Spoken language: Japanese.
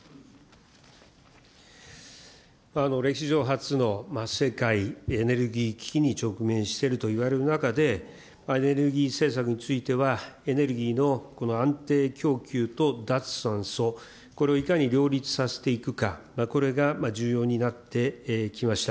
歴史上初の世界エネルギー危機に直面しているといわれる中で、エネルギー政策についてはエネルギーの安定供給と脱炭素、これをいかに両立させていくか、これが重要になってきました。